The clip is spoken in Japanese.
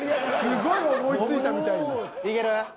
すごい思いついたみたいに。